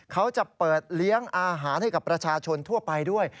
เขาจะเปิดเลี้ยงอาหารให้กับประชาชนทั่วไปด้วย